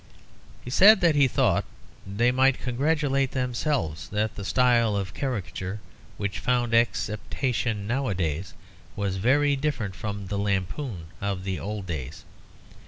He said that he thought "that they might congratulate themselves that the style of caricature which found acceptation nowadays was very different from the lampoon of the old days."